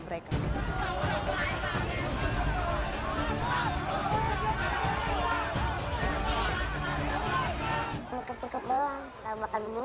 megang minta sama temen